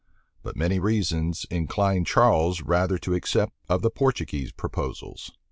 But many reasons inclined Charles rather to accept of the Portuguese proposals.